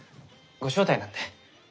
ご招待なんで。